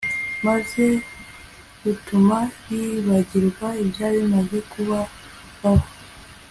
maze rutuma bibagirwa ibyari bimaze kubabaho